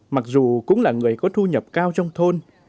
mặc dù cũng là người có thu nhập cao trong thôn